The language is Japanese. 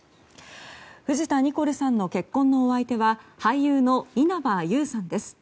藤田ニコルさんの結婚のお相手は俳優の稲葉友さんです。